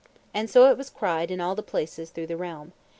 And so it was cried in all the places through the realm.